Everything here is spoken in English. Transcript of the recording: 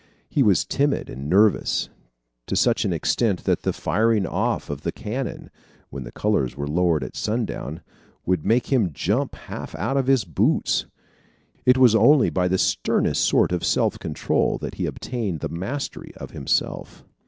He was timid and nervous, to such an extent that the firing off of the cannon, when the colors were lowered at sundown, would make him jump half out of his boots. It was only by the sternest sort of self control that he obtained the mastery of himself.